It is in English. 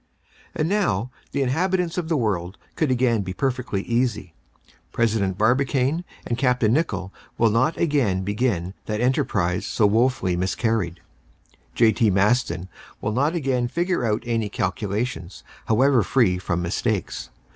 And now the inhabitants of the world could again be perfectly easy. President Barbicane and Capt. Nicholl will not again begin that enterprise so woefully miscarried, J.T. Maston will not again figure out any calculations, however free from mistakes.